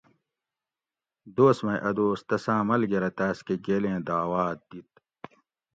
دوس مئ اۤ دوس تساۤں ملگرہ تاس کہۤ گیلیں داعوات دِت